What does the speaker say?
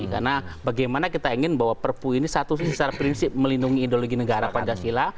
karena bagaimana kita ingin bahwa perpu ini satu secara prinsip melindungi ideologi negara pancasila